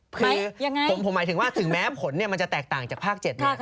คือผมหมายถึงว่าถึงแม้ผลมันจะแตกต่างจากภาค๗